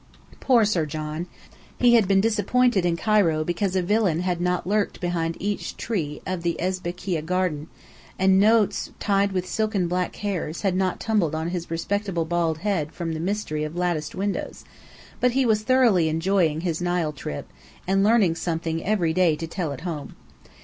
Poor Sir John! He had been disappointed in Cairo because a villain had not lurked behind each of the trees in the Esbekîya Gardens, and notes tied with silken black hairs had not tumbled on his respectable bald head from the mystery of latticed windows; but he was thoroughly enjoying his Nile trip, and learning something every day to tell at home.